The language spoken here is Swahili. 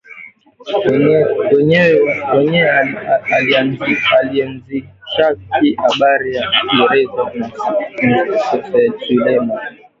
Mwenyewe alianzishaka abari ya gereza ni sulemani